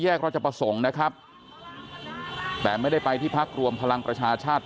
ราชประสงค์นะครับแต่ไม่ได้ไปที่พักรวมพลังประชาชาติ